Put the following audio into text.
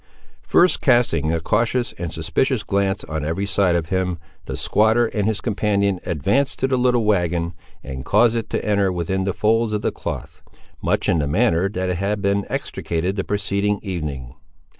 First casting a cautious and suspicious glance on every side of him, the squatter and his companion advanced to the little wagon, and caused it to enter within the folds of the cloth, much in the manner that it had been extricated the preceding evening.